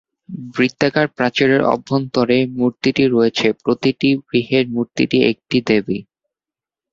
বৃত্তাকার প্রাচীরের অভ্যন্তরে মূর্তিটি রয়েছে, প্রতিটি গৃহের মূর্তিটি একটি দেবী।